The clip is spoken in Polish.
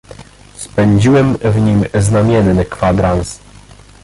"Spędziłem w nim znamienny kwadrans."